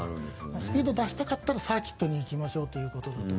スピードを出したかったらサーキットに行きましょうと。